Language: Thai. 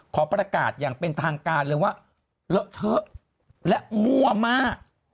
ขอประกาศอย่างเป็นทางการเลยว่าเลอะเทอะและมั่วมาก